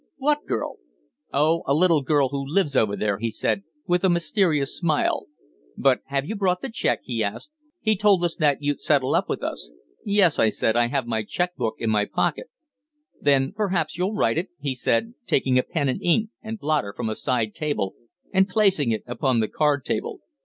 "What girl?" "Oh, a little girl who lives over there," he said, with a mysterious smile. "But have you brought the cheque?" he asked. "He told us that you'd settle up with us." "Yes," I said, "I have my cheque book in my pocket." "Then perhaps you'll write it?" he said, taking a pen and ink and blotter from a side table and placing it upon the card table.